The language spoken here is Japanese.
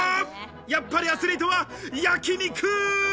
やっぱりアスリートは焼肉！